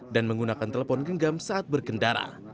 dan menggunakan telepon genggam saat berkendara